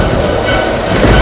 itu udah gila